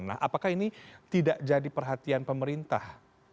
nah apakah ini tidak jadi perhatian pemerintah